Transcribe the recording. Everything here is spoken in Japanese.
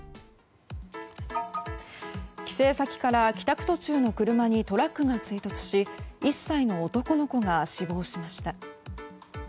帰省先から帰宅途中の車にトラックが衝突し１歳の男の子が死亡しました。